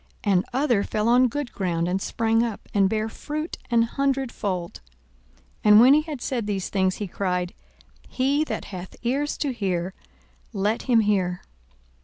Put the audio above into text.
42:008:008 And other fell on good ground, and sprang up, and bare fruit an hundredfold. And when he had said these things, he cried, He that hath ears to hear, let him hear.